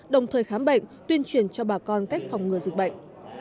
đồng thời khám bệnh tuyên truyền cho bà con cách phòng ngừa dịch bệnh